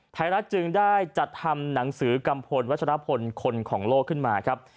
รัฐจึงได้จัดทำหนังสือกัมพลวัชรพลคนของโลกขึ้นมาครับ